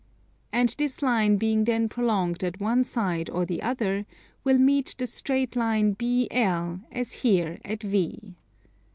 And this line being then prolonged at one side or the other will meet the straight line BL, as here at V.